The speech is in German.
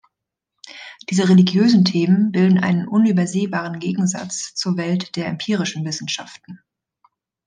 Diese religiösen Themen bilden einen unübersehbaren Gegensatz zur Welt der empirischen Wissenschaften.